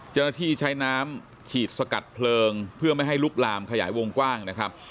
เจ้าหน้าที่ใช้น้ำฉีดสกัดเพลิงเพื่อไม่ให้ลุกลามขยายวงกว้างนะครับ